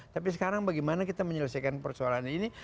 tapi sekarang bagaimana kita menyelesaikan persoalan ini